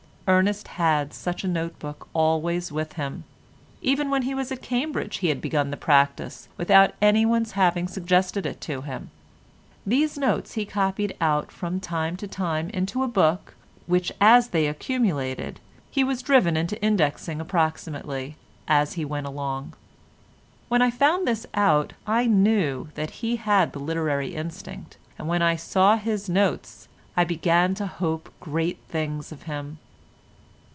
Ernest had such a note book always with him. Even when he was at Cambridge he had begun the practice without anyone's having suggested it to him. These notes he copied out from time to time into a book, which as they accumulated, he was driven into indexing approximately, as he went along. When I found out this, I knew that he had the literary instinct, and when I saw his notes I began to hope great things of him.